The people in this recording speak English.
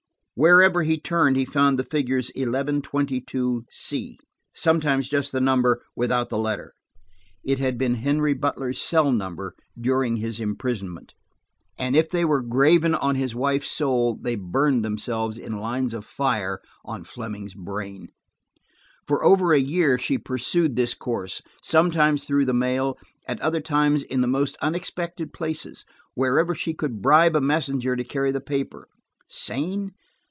Wherever he turned he found the figures eleven twenty two C. Sometimes just the number, without the letter. It had been Henry Butler's cell number during his imprisonment, and if they were graven on his wife's soul, they burned themselves in lines of fire on Fleming's brain. For over a year she pursued this course–sometimes through the mail, at other times in the most unexpected places, wherever she could bribe a messenger to carry the paper. Sane?